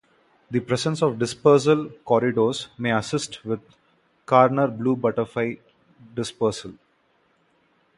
The presence of dispersal corridors may assist with Karner blue butterfly dispersal.